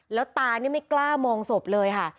แล้วตานี่ไม่กล้ามองศพเลยค่ะ